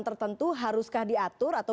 tertentu haruskah diatur atau